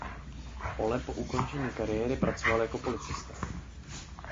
Ole po ukončení kariéry pracoval jako policista.